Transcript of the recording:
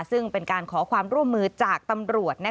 ซึ่งเป็นการขอความร่วมมือจากตำรวจ